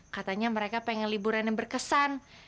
katanya mereka pengen liburan yang berkesan